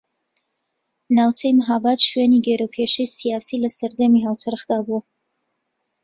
ناوچەی مەھاباد شوێنی گێرەوکێشەی سیاسی لە سەردەمی هاوچەرخدا بووە